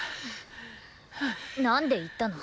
なんで言ったの？